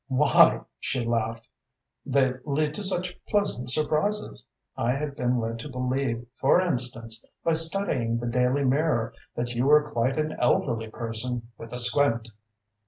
"Why?" she laughed. "They lead to such pleasant surprises. I had been led to believe, for instance, by studying the Daily Mirror, that you were quite an elderly person with a squint."